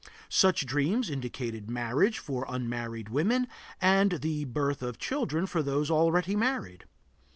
Such dreams indicated marriage for unmarried women, and the birth of children for those already married.